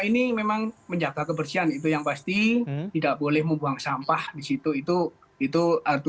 ini memang menjaga kebersihan itu yang pasti tidak boleh membuang sampah di situ itu itu